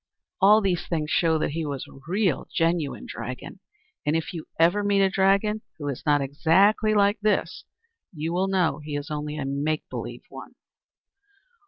All these things show that he was a real, genuine dragon, and if you ever meet a dragon who is not exactly like this, you will know he is only a make believe one.